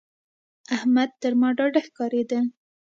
احمد تر ما ډاډه ښکارېده.